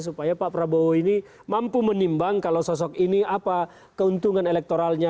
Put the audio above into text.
supaya pak prabowo ini mampu menimbang kalau sosok ini apa keuntungan elektoralnya